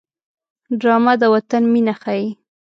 ډرامه د وطن مینه ښيي